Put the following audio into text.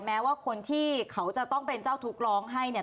แม้ว่าคนที่เขาจะต้องเป็นเจ้าทุกข์ร้องให้เนี่ย